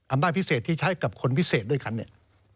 บ้านพิเศษที่ใช้กับคนพิเศษด้วยกันเนี่ย